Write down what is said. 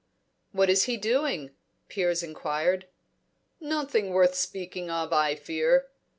"What is he doing?" Piers inquired. "Nothing worth speaking of, I fear.